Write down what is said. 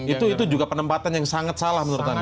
itu juga penempatan yang sangat salah menurut anda